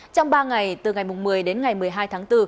trong ba ngày từ ngày một mươi đến ngày một mươi hai tháng bốn